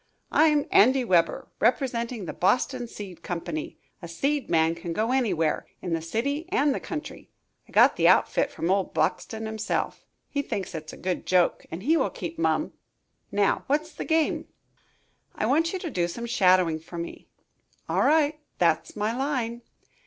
"I'm Andy Weber, representing the Boxton Seed Company. A seed man can go anywhere, in the city and the country. I got the outfit from old Boxton himself. He thinks it a good joke and he will keep mum. Now, what's the game?" "I want you to do some shadowing for me." "All right that's my line."